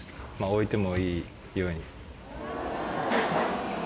置いてもいいように。